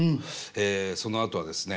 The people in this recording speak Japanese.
えそのあとはですね